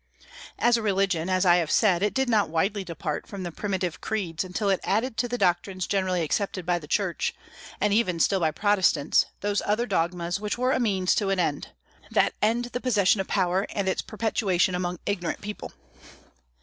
As a religion, as I have said, it did not widely depart from the primitive creeds until it added to the doctrines generally accepted by the Church, and even still by Protestants, those other dogmas which were means to an end, that end the possession of power and its perpetuation among ignorant people.